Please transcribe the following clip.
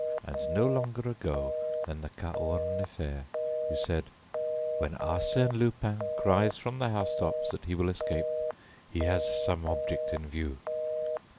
And, no longer ago than the Cahorn affair, you said: "When Arsène Lupin cries from the housetops that he will escape, he has some object in view."